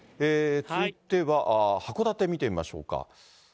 続いては函館見てみましょうか。